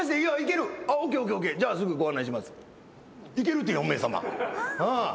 じゃあすぐご案内します。